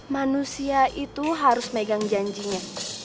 manusia itu harus megang janjinya